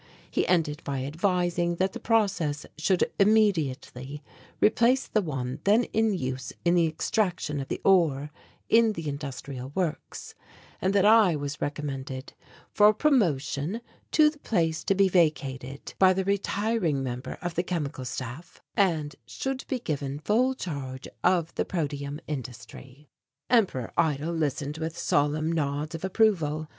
He ended by advising that the process should immediately replace the one then in use in the extraction of the ore in the industrial works and that I was recommended for promotion to the place to be vacated by the retiring member of the Chemical Staff and should be given full charge of the protium industry. Emperor Eitel listened with solemn nods of approval.